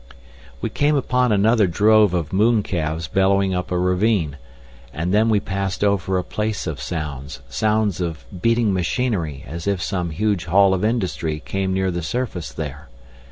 We came upon another drove of mooncalves bellowing up a ravine, and then we passed over a place of sounds, sounds of beating machinery as if some huge hall of industry came near the surface there.